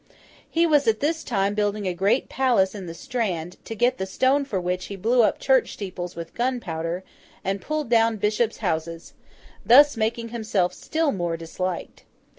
He was at this time building a great Palace in the Strand: to get the stone for which he blew up church steeples with gunpowder, and pulled down bishops' houses: thus making himself still more disliked.